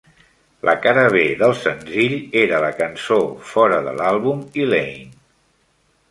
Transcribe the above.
La cara B del senzill era la cançó fora de l'àlbum "Elaine".